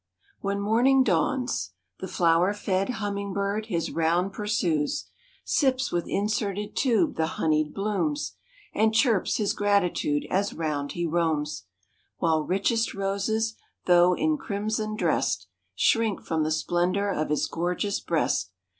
_) When morning dawns The flower fed hummingbird his round pursues; Sips with inserted tube the honied blooms, And chirps his gratitude as round he roams; While richest roses, though in crimson drest, Shrink from the splendor of his gorgeous breast.